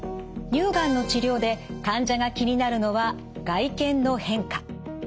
乳がんの治療で患者が気になるのは外見の変化。